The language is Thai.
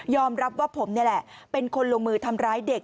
รับว่าผมนี่แหละเป็นคนลงมือทำร้ายเด็ก